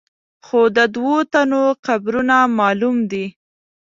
خو د دوو تنو قبرونه معلوم دي.